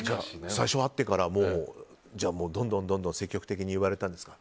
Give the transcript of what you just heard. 最初は会ってからどんどん積極的に言われたんですか？